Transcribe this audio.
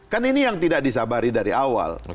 kan ini yang tidak disabari dari awal